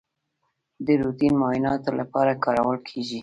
د روټین معایناتو لپاره کارول کیږي.